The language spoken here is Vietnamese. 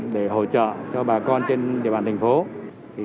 để hỗ trợ cho bà con trên địa bàn tp hcm